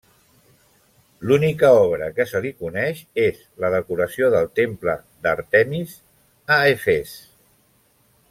L'única obra que se li coneix és la decoració del temple d'Àrtemis a Efes.